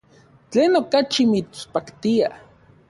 ¿Tlen okachi mitspaktia?